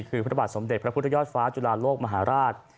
คือพระบาทสมเด็จพระพุทธยอดฟ้าจุฬาโลกมหาราช